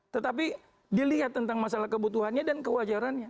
tetapi dilihat tentang masalah kebutuhannya dan kewajarannya